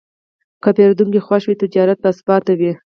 که پیرودونکی خوښ وي، تجارت باثباته وي.